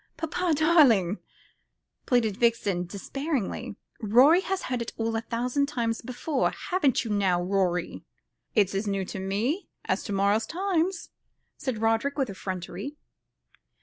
"Papa darling," pleaded Vixen despairingly, "Rorie has heard it all a thousand times before. Haven't you now, Rorie?" "It's as new to me as to morrow's Times," said Roderick with effrontery.